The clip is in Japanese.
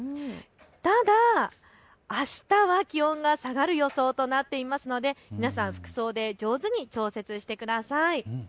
ただ、あしたは気温が下がる予想となっていますので皆さん、服装で上手に調節してください。